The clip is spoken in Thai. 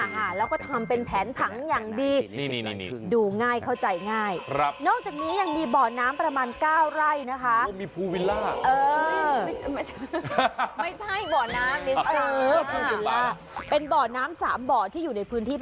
เห็นไหมแทนตู้